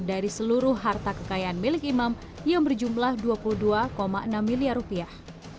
dari seluruh harta kekayaan milik imam yang berjumlah dua puluh dua enam miliar rupiah